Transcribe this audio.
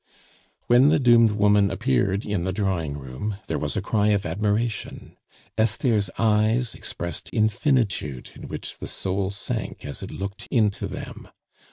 When the doomed woman appeared in the drawing room, there was a cry of admiration. Esther's eyes expressed infinitude in which the soul sank as it looked into them.